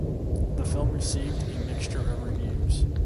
The film received a mixture of reviews.